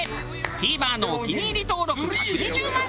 ＴＶｅｒのお気に入り登録１２０万人突破！